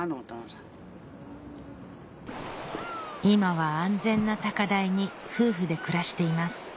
今は安全な高台に夫婦で暮らしています